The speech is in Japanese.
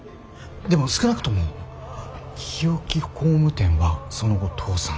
でも少なくとも日置工務店はその後倒産。